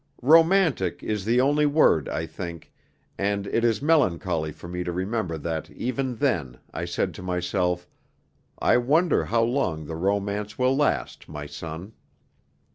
'Romantic' is the only word, I think, and it is melancholy for me to remember that even then I said to myself, 'I wonder how long the romance will last, my son.'